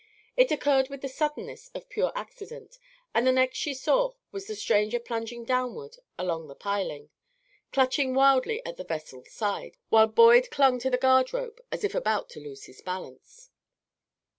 It occurred with the suddenness of pure accident, and the next she saw was the stranger plunging downward along the piling, clutching wildly at the vessel's side, while Boyd clung to the guard rope as if about to lose his balance.